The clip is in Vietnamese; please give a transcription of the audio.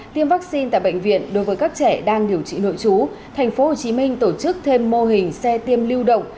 tiêm vaccine tại bệnh viện đối với các trẻ đang điều trị nội chú tp hcm tổ chức thêm mô hình xe tiêm lưu động